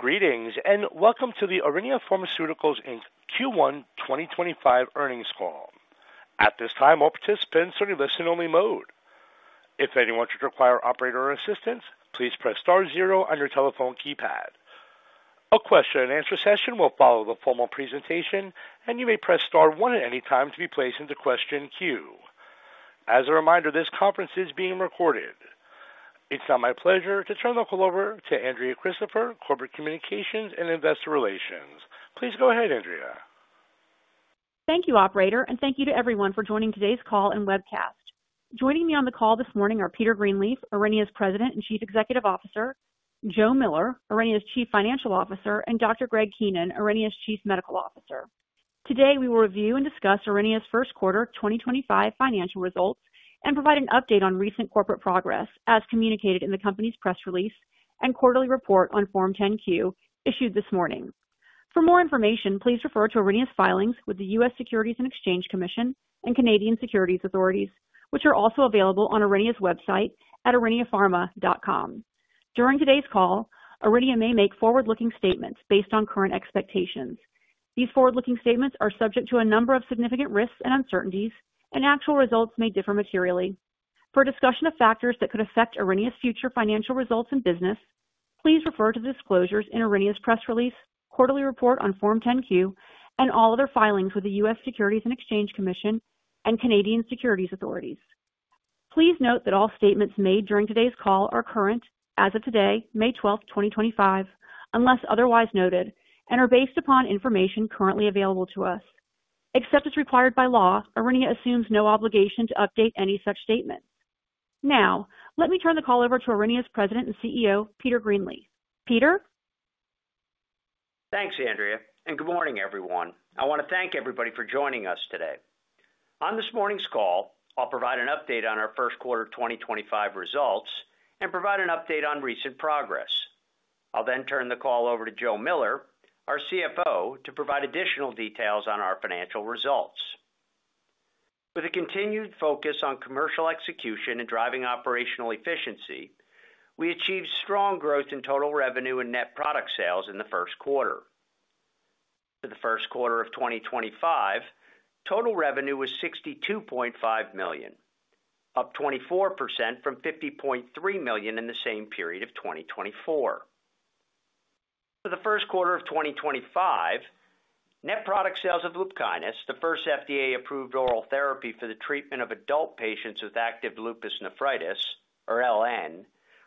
Greetings and welcome to the Aurinia Pharmaceuticals Q1 2025 Earnings Call. At this time, all participants are in listen-only mode. If anyone should require operator assistance, please press star zero on your telephone keypad. A question-and-answer session will follow the formal presentation, and you may press star one at any time to be placed into question queue. As a reminder, this conference is being recorded. It's now my pleasure to turn the call over to Andrea Christopher, Corporate Communications and Investor Relations. Please go ahead, Andrea. Thank you, Operator, and thank you to everyone for joining today's call and webcast. Joining me on the call this morning are Peter Greenleaf, Aurinia's President and Chief Executive Officer, Joe Miller, Aurinia's Chief Financial Officer, and Dr. Greg Keenan, Aurinia's Chief Medical Officer. Today, we will review and discuss Aurinia's first quarter 2025 financial results and provide an update on recent corporate progress as communicated in the company's press release and quarterly report on Form 10-Q issued this morning. For more information, please refer to Aurinia's filings with the U.S. Securities and Exchange Commission and Canadian Securities Authorities, which are also available on Aurinia's website at auriniapharma.com. During today's call, Aurinia may make forward-looking statements based on current expectations. These forward-looking statements are subject to a number of significant risks and uncertainties, and actual results may differ materially. For discussion of factors that could affect Aurinia's future financial results and business, please refer to the disclosures in Aurinia's press release, quarterly report on Form 10-Q, and all other filings with the U.S. Securities and Exchange Commission and Canadian Securities Authorities. Please note that all statements made during today's call are current as of today, May 12th, 2025, unless otherwise noted, and are based upon information currently available to us. Except as required by law, Aurinia assumes no obligation to update any such statement. Now, let me turn the call over to Aurinia's President and CEO, Peter Greenleaf. Peter? Thanks, Andrea, and good morning, everyone. I want to thank everybody for joining us today. On this morning's call, I'll provide an update on our first quarter 2025 results and provide an update on recent progress. I'll then turn the call over to Joe Miller, our CFO, to provide additional details on our financial results. With a continued focus on commercial execution and driving operational efficiency, we achieved strong growth in total revenue and net product sales in the first quarter. For the first quarter of 2025, total revenue was $62.5 million, up 24% from $50.3 million in the same period of 2024. For the first quarter of 2025, net product sales of Lupkynis, the first FDA-approved oral therapy for the treatment of adult patients with active lupus nephritis, or LN,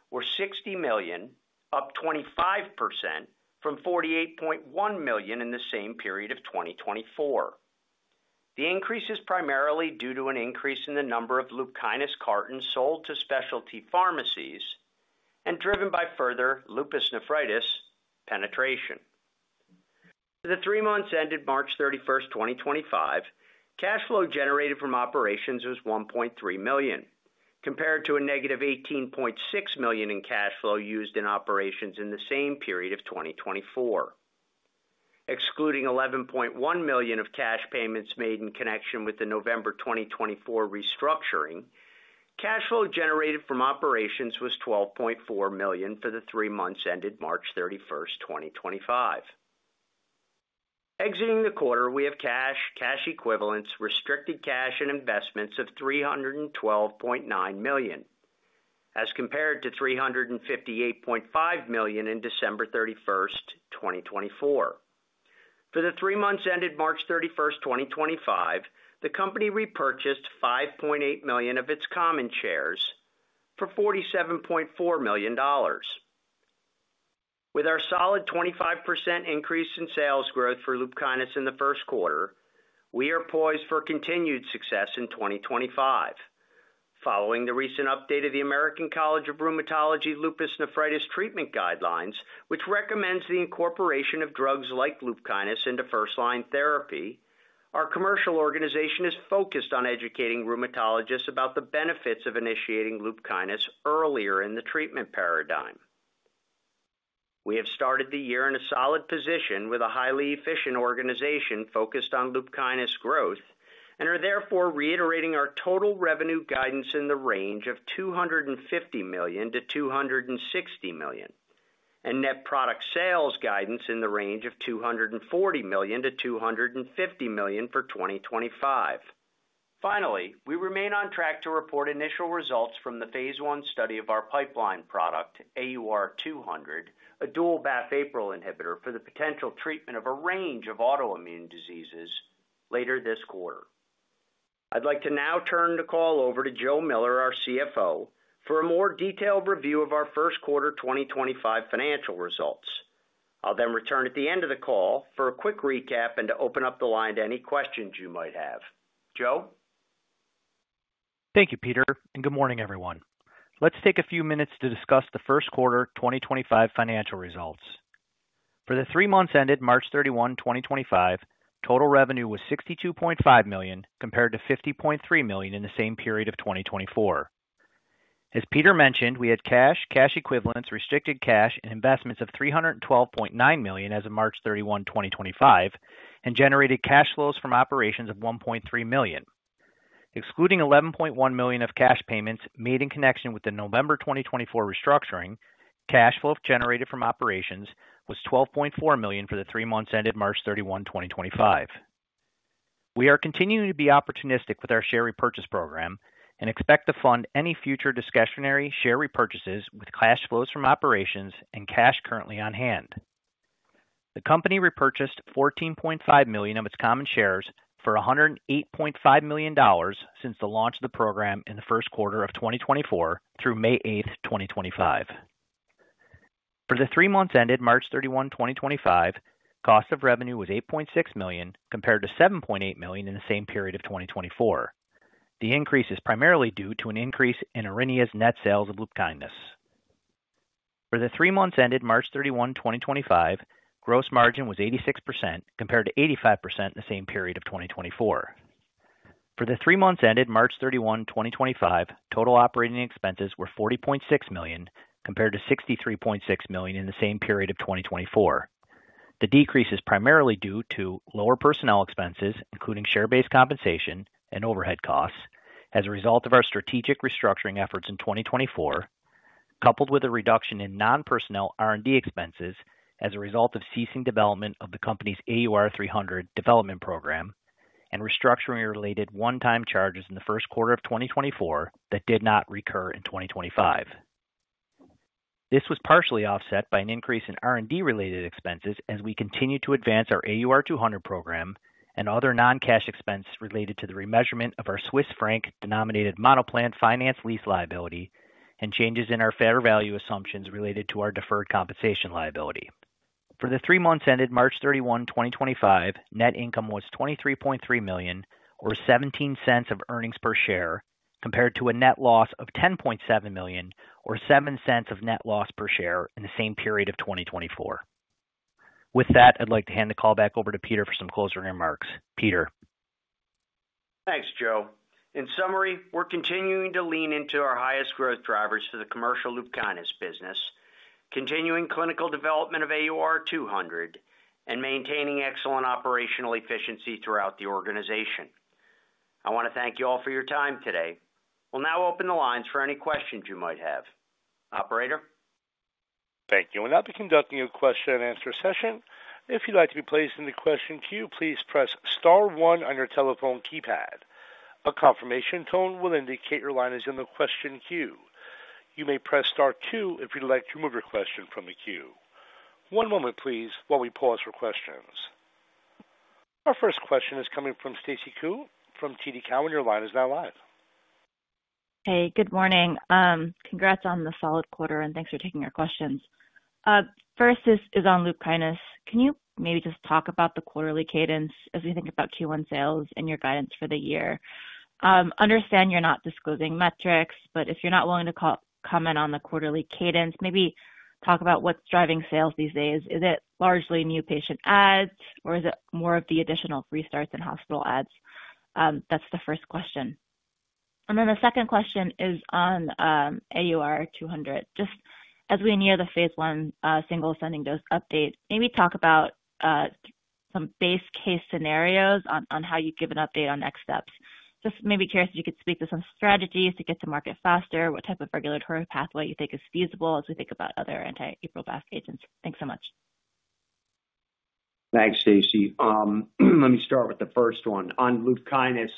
were $60 million, up 25% from $48.1 million in the same period of 2024. The increase is primarily due to an increase in the number of Lupkynis cartons sold to specialty pharmacies and driven by further lupus nephritis penetration. For the three months ended March 31, 2025, cash flow generated from operations was $1.3 million, compared to a -$18.6 million in cash flow used in operations in the same period of 2024. Excluding $11.1 million of cash payments made in connection with the November 2024 restructuring, cash flow generated from operations was $12.4 million for the three months ended March 31, 2025. Exiting the quarter, we have cash, cash equivalents, restricted cash, and investments of $312.9 million, as compared to $358.5 million at December 31, 2024. For the three months ended March 31, 2025, the company repurchased 5.8 million of its common shares for $47.4 million. With our solid 25% increase in sales growth for Lupkynis in the first quarter, we are poised for continued success in 2025. Following the recent update of the American College of Rheumatology Lupus Nephritis Treatment Guidelines, which recommends the incorporation of drugs like Lupkynis into first-line therapy, our commercial organization is focused on educating rheumatologists about the benefits of initiating Lupkynis earlier in the treatment paradigm. We have started the year in a solid position with a highly efficient organization focused on Lupkynis growth and are therefore reiterating our total revenue guidance in the range of $250 million-$260 million and net product sales guidance in the range of $240 million-$250 million for 2025. Finally, we remain on track to report initial results from the phase I study of our pipeline product, AUR-200, a dual-BAFF/APRIL inhibitor for the potential treatment of a range of autoimmune diseases later this quarter. I'd like to now turn the call over to Joe Miller, our CFO, for a more detailed review of our first quarter 2025 financial results. I'll then return at the end of the call for a quick recap and to open up the line to any questions you might have. Joe? Thank you, Peter, and good morning, everyone. Let's take a few minutes to discuss the first quarter 2025 financial results. For the three months ended March 31, 2025, total revenue was $62.5 million compared to $50.3 million in the same period of 2024. As Peter mentioned, we had cash, cash equivalents, restricted cash, and investments of $312.9 million as of March 31, 2025, and generated cash flows from operations of $1.3 million. Excluding $11.1 million of cash payments made in connection with the November 2024 restructuring, cash flow generated from operations was $12.4 million for the three months ended March 31, 2025. We are continuing to be opportunistic with our share repurchase program and expect to fund any future discretionary share repurchases with cash flows from operations and cash currently on hand. The company repurchased 14.5 million of its common shares for $108.5 million since the launch of the program in the first quarter of 2024 through May 8, 2025. For the three months ended March 31, 2025, cost of revenue was $8.6 million compared to $7.8 million in the same period of 2024. The increase is primarily due to an increase in Aurinia's net sales of Lupkynis. For the three months ended March 31, 2025, gross margin was 86% compared to 85% in the same period of 2024. For the three months ended March 31, 2025, total operating expenses were $40.6 million compared to $63.6 million in the same period of 2024. The decrease is primarily due to lower personnel expenses, including share-based compensation and overhead costs, as a result of our strategic restructuring efforts in 2024, coupled with a reduction in non-personnel R&D expenses as a result of ceasing development of the company's AUR-300 development program and restructuring-related one-time charges in the first quarter of 2024 that did not recur in 2025. This was partially offset by an increase in R&D-related expenses as we continue to advance our AUR-200 program and other non-cash expenses related to the remeasurement of our Swiss franc-denominated monoplan finance lease liability and changes in our fair value assumptions related to our deferred compensation liability. For the three months ended March 31, 2025, net income was $23.3 million, or $0.17 of earnings per share, compared to a net loss of $10.7 million, or $0.07 of net loss per share in the same period of 2024. With that, I'd like to hand the call back over to Peter for some closing remarks. Peter. Thanks, Joe. In summary, we're continuing to lean into our highest growth drivers for the commercial Lupkynis business, continuing clinical development of AUR-200, and maintaining excellent operational efficiency throughout the organization. I want to thank you all for your time today. We'll now open the lines for any questions you might have. Operator? Thank you. Now to conducting a question-and-answer session. If you'd like to be placed into the question queue, please press star one on your telephone keypad. A confirmation tone will indicate your line is in the question queue. You may press star two if you'd like to remove your question from the queue. One moment, please, while we pause for questions. Our first question is coming from Stacy Ku from TD Cowen, and your line is now live. Hey, good morning. Congrats on the solid quarter, and thanks for taking our questions. First is on Lupkynis. Can you maybe just talk about the quarterly cadence as we think about Q1 sales and your guidance for the year? Understand you're not disclosing metrics, but if you're not willing to comment on the quarterly cadence, maybe talk about what's driving sales these days. Is it largely new patient adds, or is it more of the additional restarts and hospital adds? That's the first question. The second question is on AUR-200. Just as we near the phase I single ascending dose update, maybe talk about some base case scenarios on how you give an update on next steps. Just maybe curious if you could speak to some strategies to get to market faster, what type of regulatory pathway you think is feasible as we think about other anti-APRIL BAFF agents. Thanks so much. Thanks, Stacy. Let me start with the first one. On Lupkynis,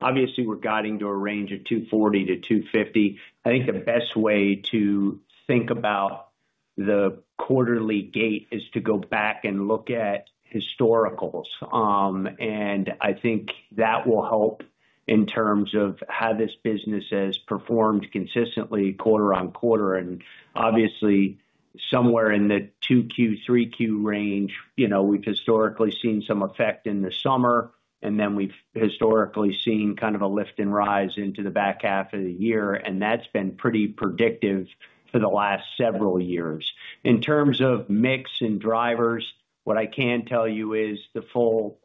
obviously, we're guiding to a range of $240 million-$250 million. I think the best way to think about the quarterly gate is to go back and look at historicals. I think that will help in terms of how this business has performed consistently quarter-on-quarter. Obviously, somewhere in the 2Q, 3Q range, we've historically seen some effect in the summer, and then we've historically seen kind of a lift and rise into the back half of the year. That's been pretty predictive for the last several years. In terms of mix and drivers, what I can tell you is the full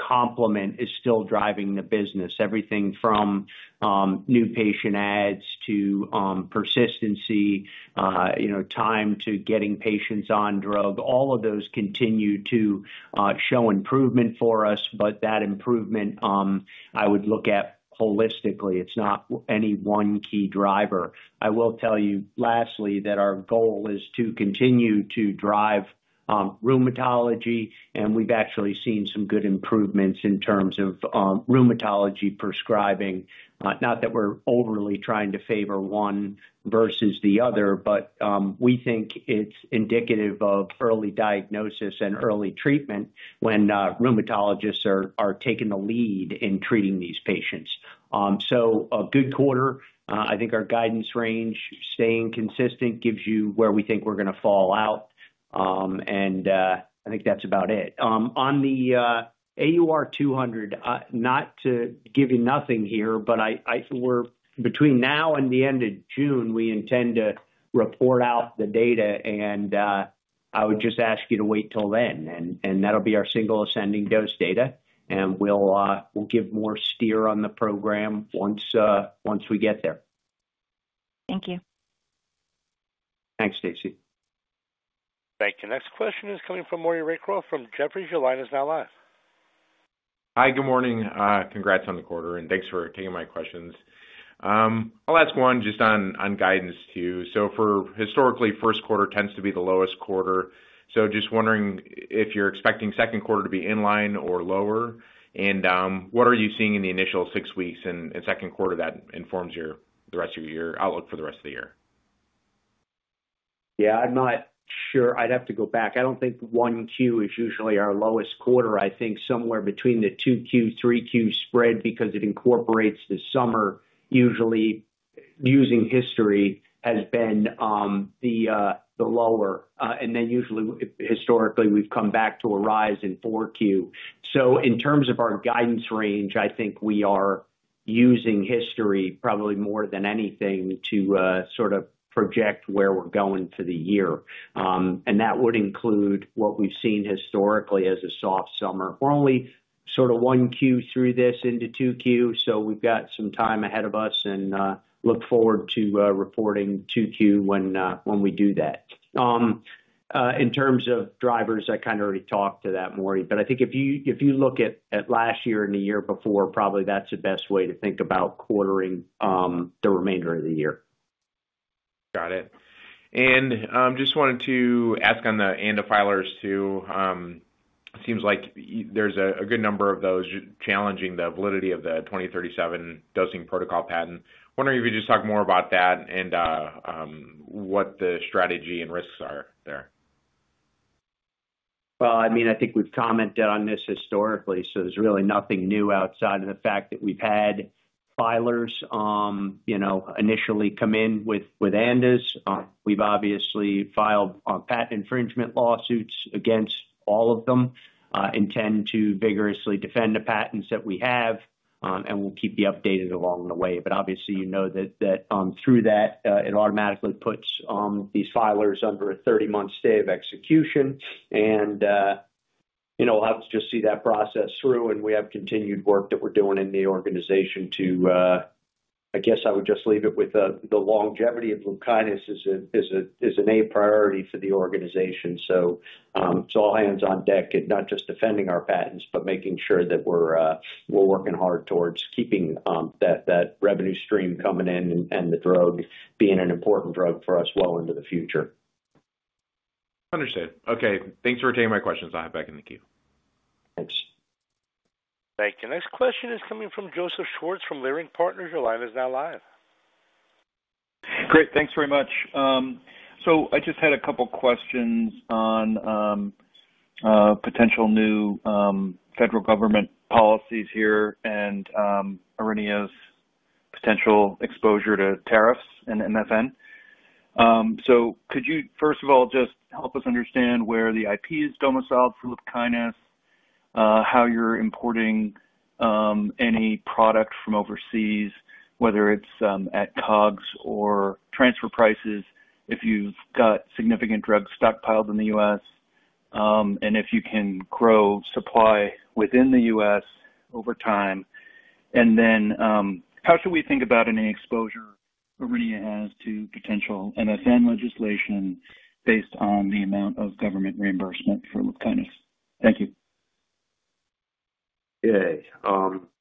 complement is still driving the business. Everything from new patient ads to persistency, time to getting patients on drug, all of those continue to show improvement for us, but that improvement, I would look at holistically. It's not any one key driver. I will tell you lastly that our goal is to continue to drive rheumatology, and we've actually seen some good improvements in terms of rheumatology prescribing. Not that we're overly trying to favor one versus the other, but we think it's indicative of early diagnosis and early treatment when rheumatologists are taking the lead in treating these patients. A good quarter, I think our guidance range, staying consistent, gives you where we think we're going to fall out. I think that's about it. On the AUR-200, not to give you nothing here, but between now and the end of June, we intend to report out the data, and I would just ask you to wait till then. That'll be our single ascending dose data, and we'll give more steer on the program once we get there. Thank you. Thanks, Stacy. Thank you. Next question is coming from [Morgan Wraith Crow] from Jefferies. Your line is now live. Hi, good morning. Congrats on the quarter, and thanks for taking my questions. I'll ask one just on guidance too. For historically, first quarter tends to be the lowest quarter. Just wondering if you're expecting second quarter to be in line or lower, and what are you seeing in the initial six weeks in second quarter that informs the rest of your outlook for the rest of the year? Yeah, I'm not sure. I'd have to go back. I don't think 1Q is usually our lowest quarter. I think somewhere between the 2Q, 3Q spread because it incorporates the summer. Usually, using history has been the lower. Usually, historically, we've come back to a rise in 4Q. In terms of our guidance range, I think we are using history probably more than anything to sort of project where we're going for the year. That would include what we've seen historically as a soft summer. We're only sort of 1Q through this into 2Q, so we've got some time ahead of us and look forward to reporting 2Q when we do that. In terms of drivers, I kind of already talked to that, [Morgan], but I think if you look at last year and the year before, probably that's the best way to think about quartering the remainder of the year. Got it. I just wanted to ask on the antifilers too. It seems like there's a good number of those challenging the validity of the 2037 dosing protocol patent. Wondering if you could just talk more about that and what the strategy and risks are there. I mean, I think we've commented on this historically, so there's really nothing new outside of the fact that we've had filers initially come in with ANDAs. We've obviously filed patent infringement lawsuits against all of them and tend to vigorously defend the patents that we have, and we'll keep you updated along the way. Obviously, you know that through that, it automatically puts these filers under a 30-month stay of execution, and we'll have to just see that process through. We have continued work that we're doing in the organization to, I guess I would just leave it with the longevity of Lupkynis is an A priority for the organization. It's all hands on deck, not just defending our patents, but making sure that we're working hard towards keeping that revenue stream coming in and the drug being an important drug for us well into the future. Understood. Okay. Thanks for taking my questions. I'll have you back in the queue. Thanks. Thank you. Next question is coming from Joseph Schwartz from Leerink Partners. Your line is now live. Great. Thanks very much. I just had a couple of questions on potential new federal government policies here and Aurinia's potential exposure to tariffs and MFN. Could you, first of all, just help us understand where the IP is domiciled for Lupkynis, how you're importing any product from overseas, whether it's at COGS or transfer prices if you've got significant drug stockpiled in the U.S., and if you can grow supply within the U.S. over time. How should we think about any exposure Aurinia has to potential MFN legislation based on the amount of government reimbursement for Lupkynis? Thank you. Okay.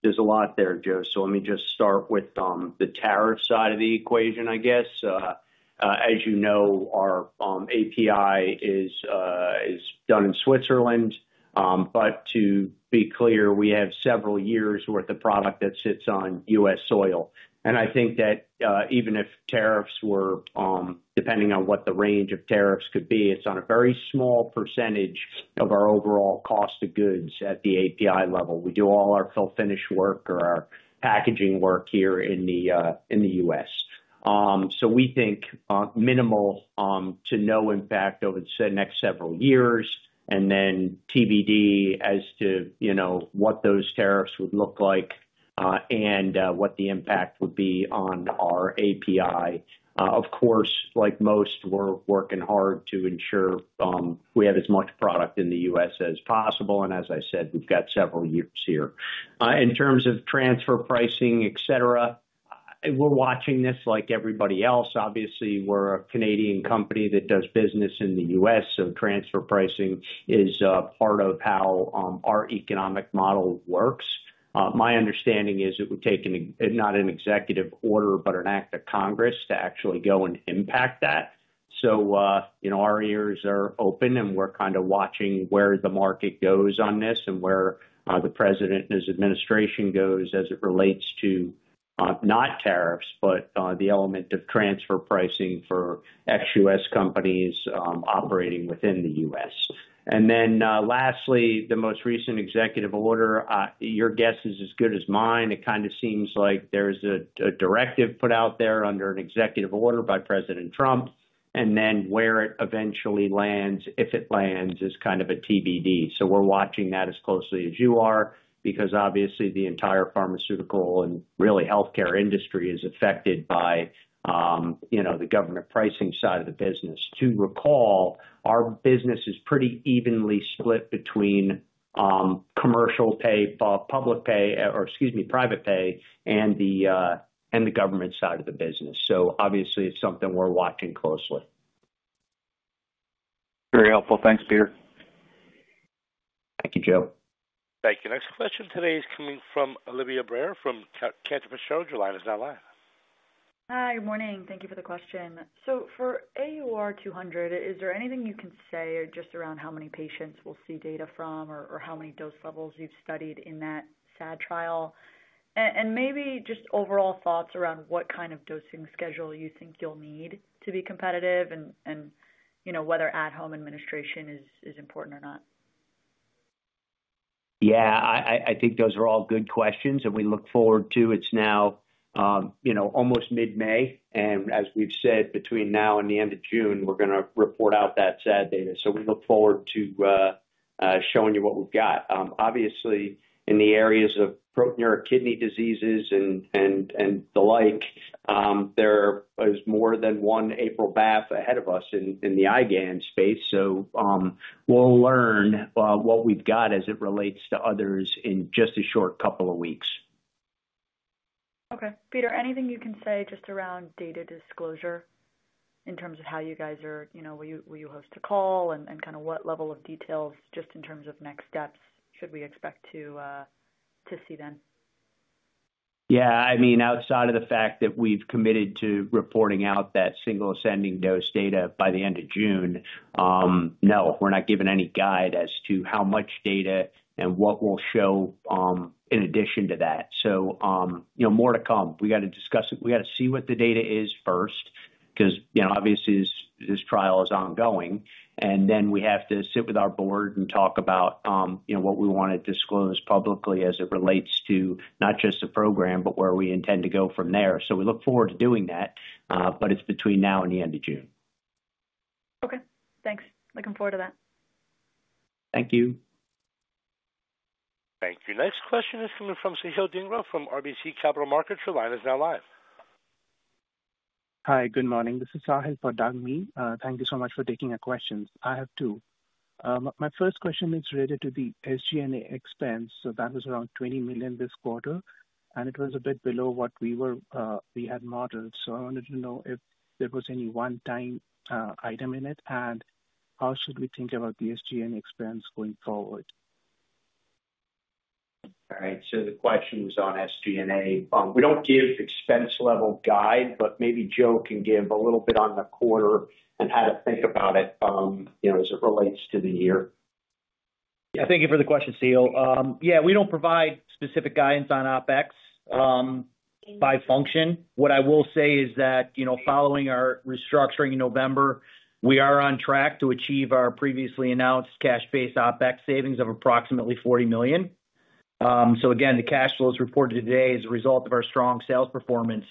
There's a lot there, Joe. Let me just start with the tariff side of the equation, I guess. As you know, our API is done in Switzerland. To be clear, we have several years' worth of product that sits on U.S. soil. I think that even if tariffs were, depending on what the range of tariffs could be, it's on a very small percentage of our overall cost of goods at the API level. We do all our fill-finish work or our packaging work here in the U.S. We think minimal to no impact over the next several years, and then TBD as to what those tariffs would look like and what the impact would be on our API. Of course, like most, we're working hard to ensure we have as much product in the U.S. as possible. As I said, we've got several years here. In terms of transfer pricing, etc., we're watching this like everybody else. Obviously, we're a Canadian company that does business in the U.S., so transfer pricing is part of how our economic model works. My understanding is it would take not an executive order, but an act of Congress to actually go and impact that. Our ears are open, and we're kind of watching where the market goes on this and where the president and his administration goes as it relates to not tariffs, but the element of transfer pricing for ex-U.S. companies operating within the U.S. Lastly, the most recent executive order, your guess is as good as mine. It kind of seems like there's a directive put out there under an executive order by President Trump, and then where it eventually lands, if it lands, is kind of a TBD. We are watching that as closely as you are because obviously the entire pharmaceutical and really healthcare industry is affected by the government pricing side of the business. To recall, our business is pretty evenly split between commercial pay, public pay, or excuse me, private pay, and the government side of the business. Obviously, it's something we are watching closely. Very helpful. Thanks, Peter. Thank you, Joe. Thank you. Next question today is coming from Olivia Brayer from Cantor Fitzgerald. Your line is now live. Hi, good morning. Thank you for the question. For AUR-200, is there anything you can say just around how many patients we'll see data from or how many dose levels you've studied in that SAD trial? Maybe just overall thoughts around what kind of dosing schedule you think you'll need to be competitive and whether at-home administration is important or not. Yeah, I think those are all good questions, and we look forward to it's now almost mid-May. As we've said, between now and the end of June, we're going to report out that SAD data. We look forward to showing you what we've got. Obviously, in the areas of proteinuric kidney diseases and the like, there is more than one APRIL BAFF ahead of us in the IgAN space. We'll learn what we've got as it relates to others in just a short couple of weeks. Okay. Peter, anything you can say just around data disclosure in terms of how you guys are, will you host a call and kind of what level of details, just in terms of next steps, should we expect to see then? Yeah. I mean, outside of the fact that we've committed to reporting out that single ascending dose data by the end of June, no, we're not giving any guide as to how much data and what we'll show in addition to that. More to come. We got to discuss it. We got to see what the data is first because obviously, this trial is ongoing. We have to sit with our board and talk about what we want to disclose publicly as it relates to not just the program, but where we intend to go from there. We look forward to doing that, but it's between now and the end of June. Okay. Thanks. Looking forward to that. Thank you. Thank you. Next question is coming from Sahil Dhingra from RBC Capital Markets. Your line is now live. Hi, good morning. This is Sahil for Dhingra. Thank you so much for taking our questions. I have two. My first question is related to the SG&A expense. That was around $20 million this quarter, and it was a bit below what we had modeled. I wanted to know if there was any one-time item in it, and how should we think about the SG&A expense going forward? All right. So the question was on SG&A. We do not give expense-level guide, but maybe Joe can give a little bit on the quarter and how to think about it as it relates to the year. Yeah, thank you for the question, Sahil. Yeah, we do not provide specific guidance on OpEx by function. What I will say is that following our restructuring in November, we are on track to achieve our previously announced cash-based OpEx savings of approximately $40 million. Again, the cash flows reported today are a result of our strong sales performance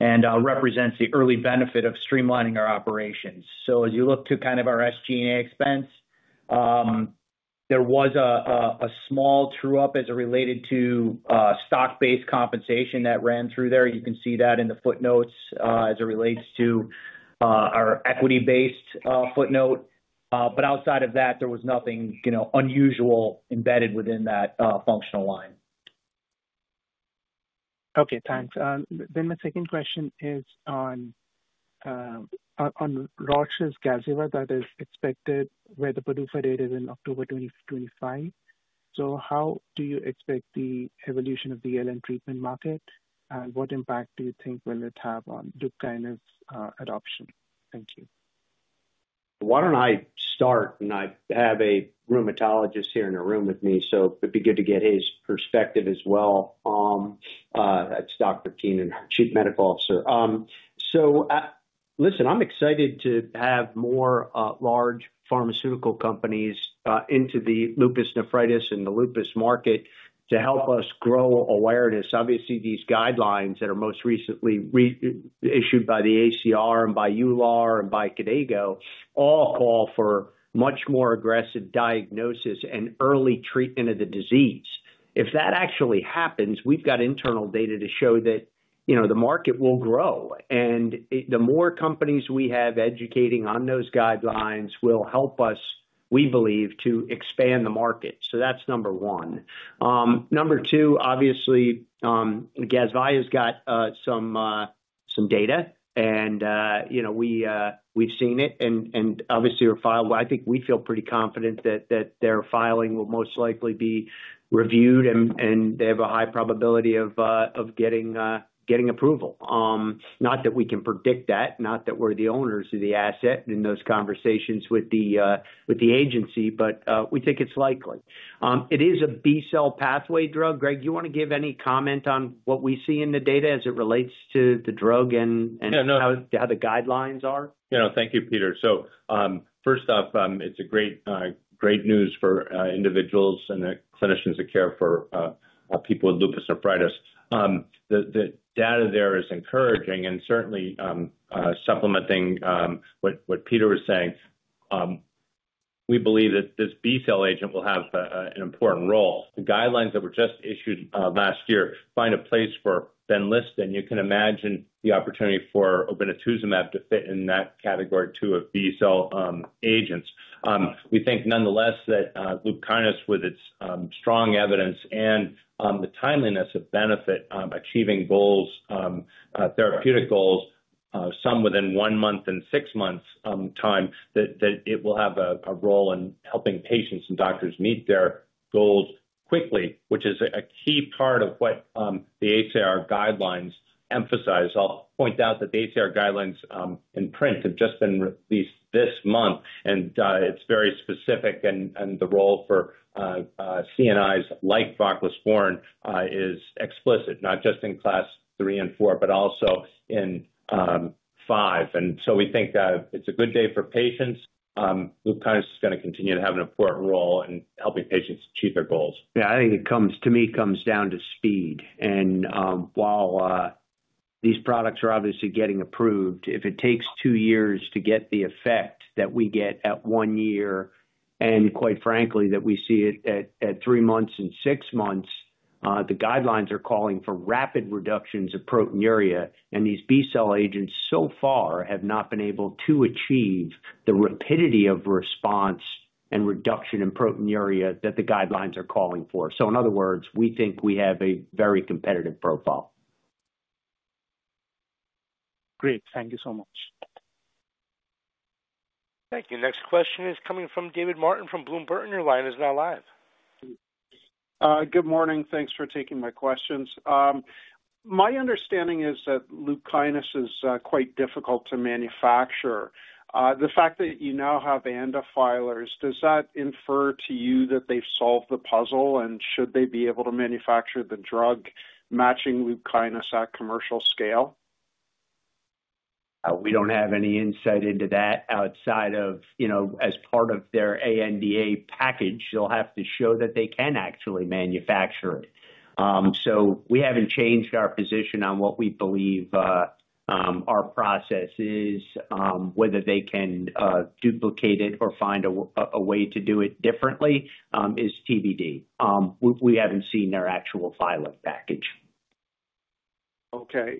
and represent the early benefit of streamlining our operations. As you look to kind of our SG&A expense, there was a small true-up as it related to stock-based compensation that ran through there. You can see that in the footnotes as it relates to our equity-based footnote. Outside of that, there was nothing unusual embedded within that functional line. Okay. Thanks. Then my second question is on Roche's Gazyva that is expected where the PDUFA date is in October 2025. How do you expect the evolution of the LN treatment market, and what impact do you think will it have on Lupkynis adoption? Thank you. Why don't I start? I have a rheumatologist here in the room with me, so it'd be good to get his perspective as well. It's Dr. Keenan, our Chief Medical Officer. Listen, I'm excited to have more large pharmaceutical companies into the lupus nephritis and the lupus market to help us grow awareness. Obviously, these guidelines that are most recently issued by the ACR and by EULAR and by KDIGO all call for much more aggressive diagnosis and early treatment of the disease. If that actually happens, we've got internal data to show that the market will grow. The more companies we have educating on those guidelines will help us, we believe, to expand the market. That's number one. Number two, obviously, Gazyva has got some data, and we've seen it. Obviously, I think we feel pretty confident that their filing will most likely be reviewed, and they have a high probability of getting approval. Not that we can predict that, not that we're the owners of the asset in those conversations with the agency, but we think it's likely. It is a B-cell pathway drug. Greg, do you want to give any comment on what we see in the data as it relates to the drug and how the guidelines are? Yeah. No, thank you, Peter. First off, it's great news for individuals and clinicians that care for people with lupus nephritis. The data there is encouraging and certainly supplementing what Peter was saying. We believe that this B-cell agent will have an important role. The guidelines that were just issued last year find a place for Benlysta, and you can imagine the opportunity for obinutuzumab to fit in that category two of B-cell agents. We think nonetheless that Lupkynis, with its strong evidence and the timeliness of benefit achieving therapeutic goals, some within one month and six months' time, that it will have a role in helping patients and doctors meet their goals quickly, which is a key part of what the ACR guidelines emphasize. I'll point out that the ACR guidelines in print have just been released this month, and it's very specific, and the role for CNIs like Lupkynis is explicit, not just in class three and four, but also in five. And so we think it's a good day for patients. Lupkynis is going to continue to have an important role in helping patients achieve their goals. Yeah, I think it comes to me comes down to speed. While these products are obviously getting approved, if it takes two years to get the effect that we get at one year, and quite frankly, that we see at three months and six months, the guidelines are calling for rapid reductions of proteinuria. These B-cell agents so far have not been able to achieve the rapidity of response and reduction in proteinuria that the guidelines are calling for. In other words, we think we have a very competitive profile. Great. Thank you so much. Thank you. Next question is coming from David Martin from Bloom Burton. Your line is now live. Good morning. Thanks for taking my questions. My understanding is that Lupkynis is quite difficult to manufacture. The fact that you now have antifilers, does that infer to you that they've solved the puzzle, and should they be able to manufacture the drug matching Lupkynis at commercial scale? We don't have any insight into that outside of as part of their ANDA package. They'll have to show that they can actually manufacture it. We haven't changed our position on what we believe our process is, whether they can duplicate it or find a way to do it differently is TBD. We haven't seen their actual filing package. Okay.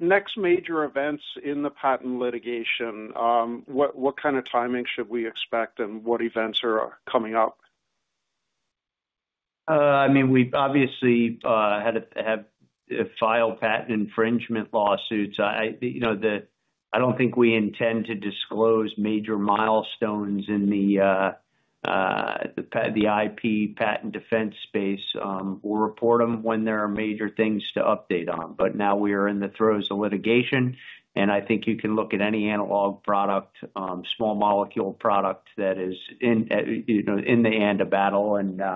Next major events in the patent litigation, what kind of timing should we expect, and what events are coming up? I mean, we obviously have filed patent infringement lawsuits. I do not think we intend to disclose major milestones in the IP patent defense space. We will report them when there are major things to update on. Right now we are in the throes of litigation, and I think you can look at any analog product, small molecule product that is in the end of battle and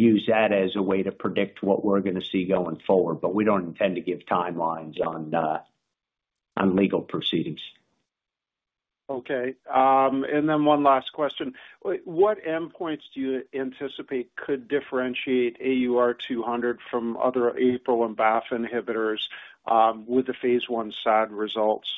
use that as a way to predict what we are going to see going forward. We do not intend to give timelines on legal proceedings. Okay. And then one last question. What endpoints do you anticipate could differentiate AUR-200 from other APRIL and BAFF inhibitors with the phase I SAD results?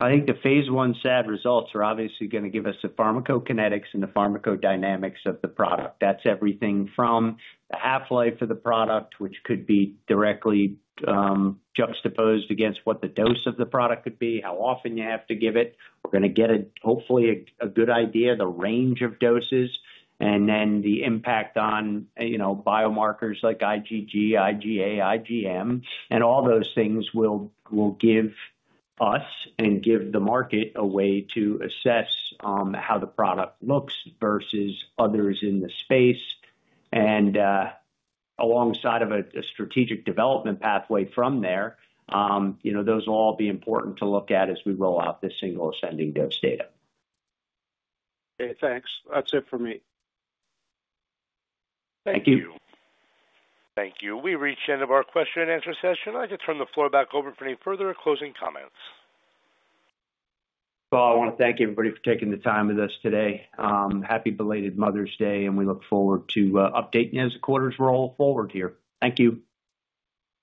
I think the phase I SAD results are obviously going to give us the pharmacokinetics and the pharmacodynamics of the product. That is everything from the half-life of the product, which could be directly juxtaposed against what the dose of the product could be, how often you have to give it. We are going to get hopefully a good idea, the range of doses, and then the impact on biomarkers like IgG, IgA, IgM, and all those things will give us and give the market a way to assess how the product looks versus others in the space. Alongside a strategic development pathway from there, those will all be important to look at as we roll out this single ascending dose data. Okay. Thanks. That's it for me. Thank you. Thank you. We reached the end of our question and answer session. I just turn the floor back over for any further closing comments. I want to thank everybody for taking the time with us today. Happy belated Mother's Day, and we look forward to updating as the quarter's roll forward here. Thank you.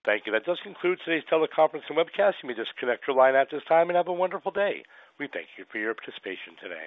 Thank you. That does conclude today's teleconference and webcast. You may disconnect your line at this time and have a wonderful day. We thank you for your participation today.